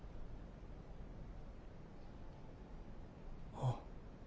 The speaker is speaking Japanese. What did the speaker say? あっ。